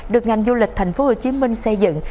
được ngành du lịch tp hcm xây dựng